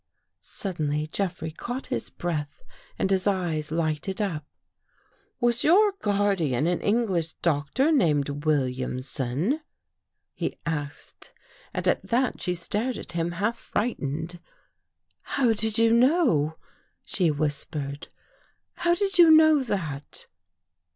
Suddenly Jeffrey caught his breath and his eyes lighted up. " Was your guardian an English doctor named Williamson?" he asked. And at that she stared at him half frightened. "How did you know?" she whispered. "How did you know that?